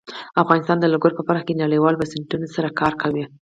افغانستان د لوگر په برخه کې نړیوالو بنسټونو سره کار کوي.